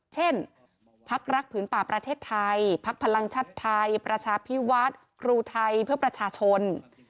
เช่นพักรักผืนป่าประเทศไทยพักพลังชาติไทยประชาพิวัฒน์ครูไทยเพื่อประชาชน